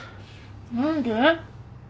何で？